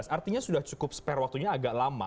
artinya sudah cukup spare waktunya agak lama